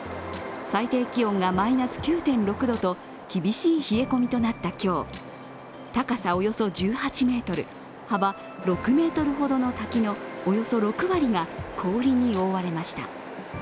最低気温がマイナス９．６度と厳しい冷え込みとなった今日、高さおよそ１８ｍ、幅６ｍほどの滝のおよそ６割が氷に覆われました。